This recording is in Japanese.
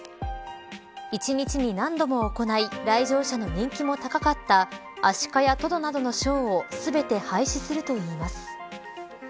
一日に何度も行い来場者の人気も高かったアシカやトドなどのショーを全て廃止するといいます。